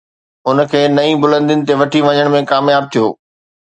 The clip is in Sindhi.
ان کي نئين بلندين تي وٺي وڃڻ ۾ ڪامياب ٿيو